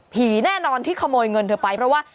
แน่นอนที่ขโมยเงินเธอไปเพราะว่า